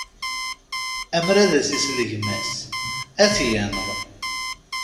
Amer ad as-isel gma-s, ad t-yenɣ.